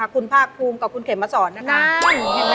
คุณภาคภูมิกับคุณเขมมาสอนนะคะ